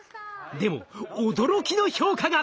でも驚きの評価が！